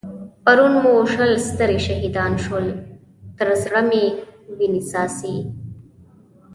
پرون مو شل سترې شهيدان شول؛ تر زړه مې وينې څاڅي.